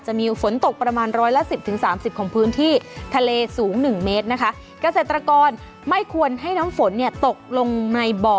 จะมีฝนตกประมาณร้อยละสิบถึงสามสิบของพื้นที่ทะเลสูงหนึ่งเมตรนะคะเกษตรกรไม่ควรให้น้ำฝนเนี่ยตกลงในบ่อ